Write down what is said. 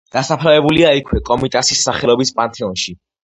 დასაფლავებულია იქვე, კომიტასის სახელობის პანთეონში.